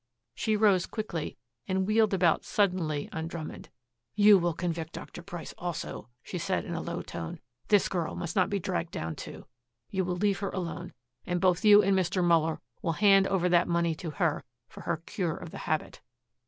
She rose quickly and wheeled about suddenly on Drummond. "You will convict Dr. Price also," she said in a low tone. "This girl must not be dragged down, too. You will leave her alone, and both you and Mr. Muller will hand over that money to her for her cure of the habit."